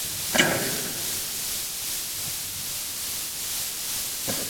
د ولس غوښتنې بدلېدونکې دي